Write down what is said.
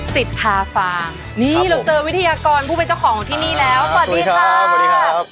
สิทธาฟางนี่เราเจอวิทยากรผู้เป็นเจ้าของที่นี่แล้วสวัสดีค่ะสวัสดีครับ